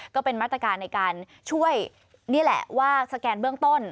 ก็เป็นมาตรการในการช่วยนี่แหละว่าสแกนเบื้องต้น